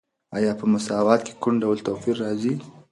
آیا په مساوات کې کوم ډول توپیر راځي؟